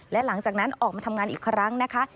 และหลังจากนั้นออกมาทำงานอีกครั้งนะคะ